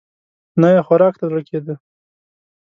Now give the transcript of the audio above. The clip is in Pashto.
نه يې خوراک ته زړه کېده.